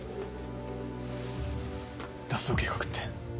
脱走計画って？